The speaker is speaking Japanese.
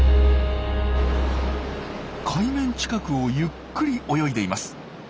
海面近くをゆっくり泳いでいます。